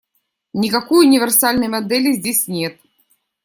Никакой универсальной модели здесь нет.